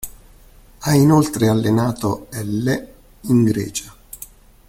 Ha inoltre allenato l', in Grecia.